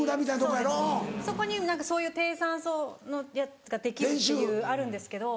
そこにそういう低酸素のやつができるっていうあるんですけど。